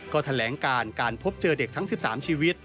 ก็แถลงการการพบเจอเด็กทั้ง๑๓ชีวิต